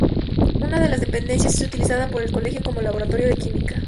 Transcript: Una de las dependencias es utilizada por el colegio como laboratorio de química.